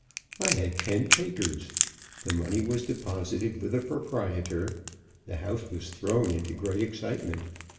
I had ten takers. The money was deposited with the proprietor; the house was thrown into great excitement.